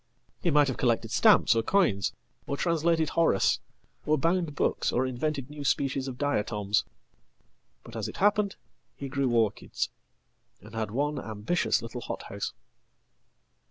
He might havecollected stamps or coins, or translated Horace, or bound books, orinvented new species of diatoms. But, as it happened, he grew orchids, andhad one ambitious little hothouse."